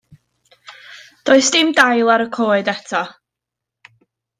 Does dim dail ar y coed eto.